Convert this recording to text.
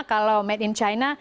kalau made in china